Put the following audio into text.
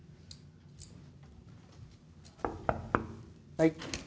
はい。